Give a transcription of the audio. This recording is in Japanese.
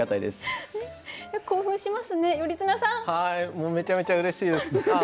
もうめちゃめちゃうれしいです。